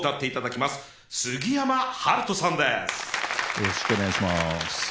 よろしくお願いします。